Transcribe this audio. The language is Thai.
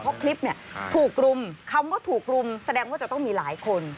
เพราะคลิปเนี่ยถูกรุมคำว่าถูกรุมแสดงว่าจะต้องมีหลายคน